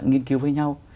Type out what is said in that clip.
nghiên cứu với nhau